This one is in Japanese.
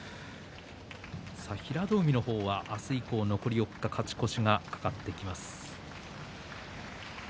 平戸海の方は明日以降４日間に勝ち越しが懸かってきます。